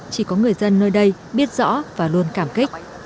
chỉ có người dân nơi đây biết rõ và luôn cảm kích